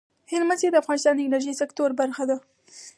هلمند سیند د افغانستان د انرژۍ سکتور برخه ده.